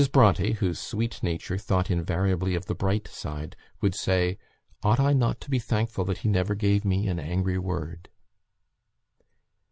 Bronte, whose sweet nature thought invariably of the bright side, would say, "Ought I not to be thankful that he never gave me an angry word?"